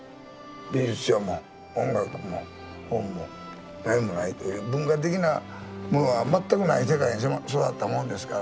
美術書も音楽も本も何もないという文化的なものが全くない世界で育ったもんですから。